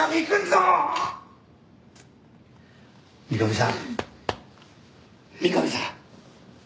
三上さん三上さん。